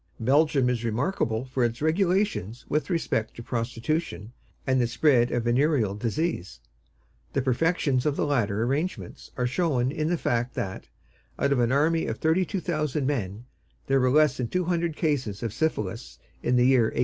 Belgium is remarkable for its regulations with respect to prostitution and the spread of venereal disease. The perfections of the latter arrangements are shown in the fact that, out of an army of thirty thousand men, there were less than two hundred cases of syphilis in the year 1855.